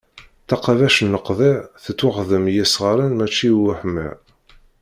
Taqabact n leqḍiɛ tettwaxdem i yesɣaren mači i uḥemmeṛ.